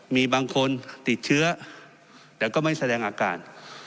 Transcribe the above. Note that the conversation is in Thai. มีบางคนติดเชื้อแต่ก็ไม่แสดงอาการ